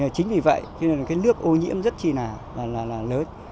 chính vì vậy cái nước ô nhiễm rất là lớn